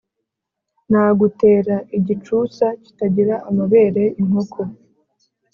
Nagutera igicutsa kitagira amabere.-Inkoko.